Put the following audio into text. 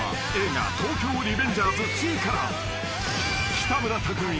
［北村匠海。